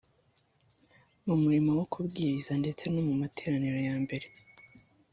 mu murimo wo kubwiriza ndetse no mu materaniro yambere